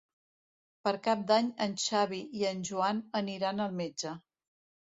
Per Cap d'Any en Xavi i en Joan aniran al metge.